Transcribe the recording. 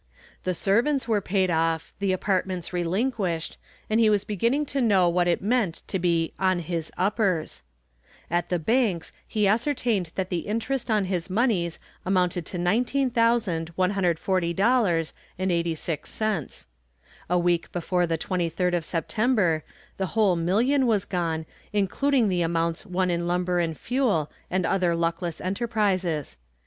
The servants were paid off, the apartments relinquished, and he was beginning to know what it meant to be "on his uppers." At the banks he ascertained that the interest on his moneys amounted to $19,140.86. A week before the 23d of September, the whole million was gone, including the amounts won in Lumber and Fuel and other luckless enterprises.